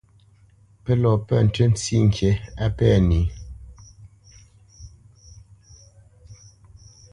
Pə́ lɔ pə̂ ntʉ́ ntsî ŋkǐ á pɛ̂ nǐ.